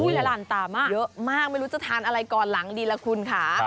เยอะมากไม่รู้จะทานอะไรก่อนหลังดีละคุณค่ะ